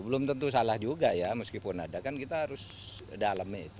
belum tentu salah juga ya meskipun ada kan kita harus dalami itu